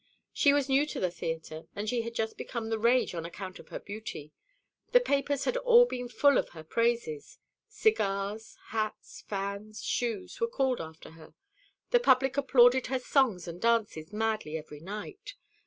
She was new to the theatre, and she had just become the rage on account of her beauty. The papers had all been full of her praises. Cigars, hats, fans, shoes were called after her. The public applauded her songs and dances madly every night.